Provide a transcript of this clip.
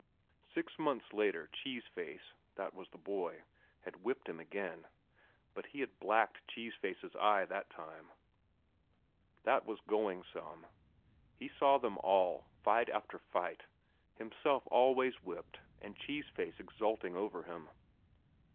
Six months later Cheese Face (that was the boy) had whipped him again. But he had blacked Cheese Face's eye that time. That was going some. He saw them all, fight after fight, himself always whipped and Cheese Face exulting over him.